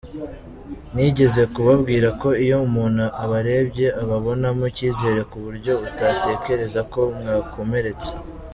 Nigeze kubabwira ko iyo umuntu abarebye ababonamo icyizere ku buryo utatekereza ko mwakomeretse”.